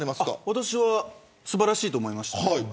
私は素晴らしいと思います。